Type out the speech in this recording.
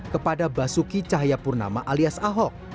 kepada basuki cahayapurnama alias ahok